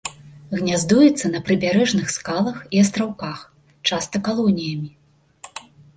Гняздуецца на прыбярэжных скалах і астраўках, часта калоніямі.